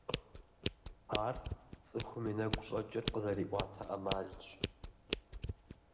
Ар цӀыхум и нэгу щӀэкӀыр къызэриӀуэта Ӏэмалщ.